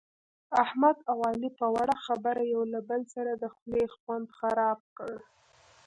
احمد اوعلي په وړه خبره یو له بل سره د خولې خوند خراب کړ.